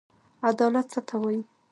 عدالت څه ته وايي.